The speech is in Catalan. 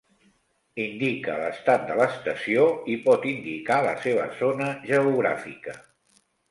Indica l'estat de l'estació i pot indicar la seva zona geogràfica.